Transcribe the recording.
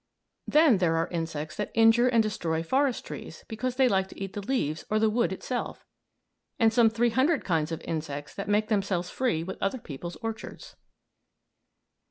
Then there are insects that injure and destroy forest trees because they like to eat the leaves or the wood itself; and some 300 kinds of insects that make themselves free with other people's orchards.